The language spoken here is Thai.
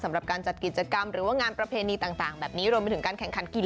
สำหรับการจัดกิจกรรมหรืองารประเพณีต่างรวมเป็นอย่างนี้